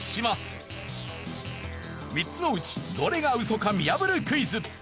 ３つのうちどれがウソか見破るクイズ。